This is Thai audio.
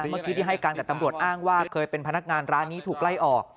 เมื่อกี้ที่ให้การกับตำรวจอ้างว่าเคยเป็นพนักงานร้านนี้ถูกไล่ออก